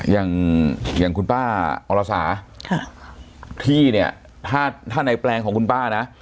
อย่างอย่างคุณป้าอรสาที่เนี่ยถ้าในแปลงของคุณป้านะ